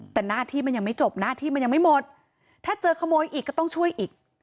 แต่หน้าที่มันยังไม่จบหน้าที่มันยังไม่หมดถ้าเจอขโมยอีกก็ต้องช่วยอีก